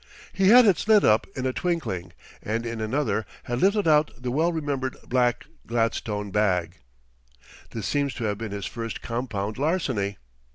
He had its lid up in a twinkling, and in another had lifted out the well remembered black gladstone bag. This seems to have been his first compound larceny.